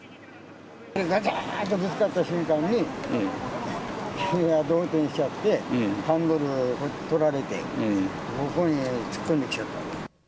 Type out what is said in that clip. がちゃーんとぶつかった瞬間ね、気が動転しちゃって、ハンドル取られて、ここに突っ込んできちゃったの。